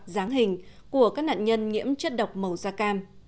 dáng hình của các nạn nhân nhiễm chất độc màu da cam